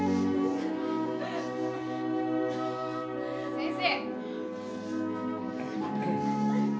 先生。